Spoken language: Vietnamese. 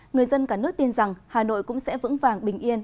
người dân cả nước tin rằng hà nội cũng sẽ vững vàng bình yên